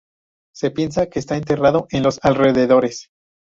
Se piensa que está enterrado en los alrededores.